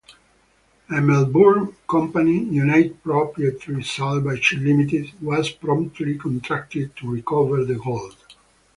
A Melbourne company, United Propriety Salvage Limited, was promptly contracted to recover the gold.